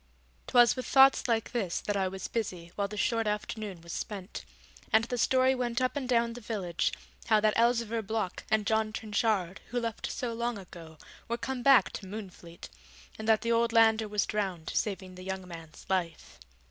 'Twas with thoughts like this that I was busy while the short afternoon was spent, and the story went up and down the village, how that Elzevir Block and John Trenchard, who left so long ago, were come back to Moonfleet, and that the old lander was drowned saving the young man's life.